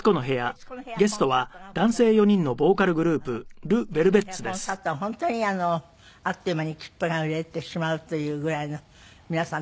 「徹子の部屋」コンサートは本当にあっという間に切符が売れてしまうというぐらいの皆さん